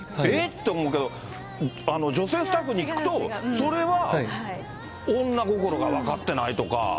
って思うけど、女性スタッフに聞くと、それは女心が分かってないとか。